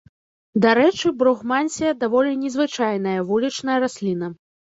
Дарэчы, бругмансія даволі незвычайная вулічная расліна.